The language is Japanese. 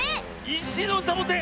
いしのサボテン！